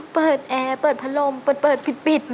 เปิดแอร์เปิดพระลมเปิดปิดค่ะ